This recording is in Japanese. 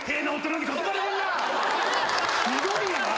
ひどいよな？